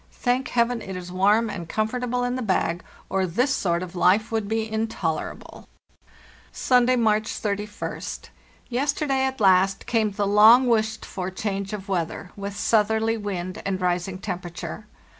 Thank Heaven, it is warm and comfortable in the bag, or this sort of life would be intolerable ! "Sunday, March 31st. Yesterday, at last, came the long wished for change of weather, with southerly wind and rising temperature.